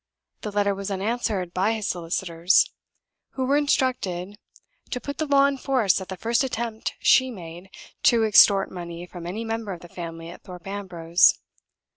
The letter was answered by his solicitors, who were instructed to put the law in force at the first attempt she made to extort money from any member of the family at Thorpe Ambrose.